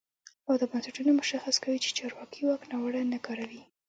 او دا بنسټونه مشخص کوي چې چارواکي واک ناوړه نه کاروي.